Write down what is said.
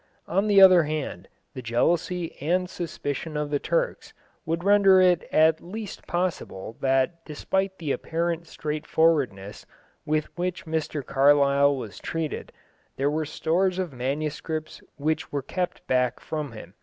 On the other hand, the jealousy and suspicion of the Turks would render it at least possible that despite the apparent straightforwardness with which Mr Carlyle was treated, there were stores of manuscripts which were kept back from him.